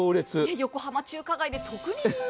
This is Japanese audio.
横浜中華街で特に人気。